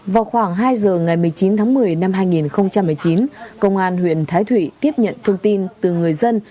vào khoảng hai giờ ngày một mươi chín tháng một mươi năm hai nghìn một mươi chín công an huyện thái thụy tiếp nhận thông tin từ người dân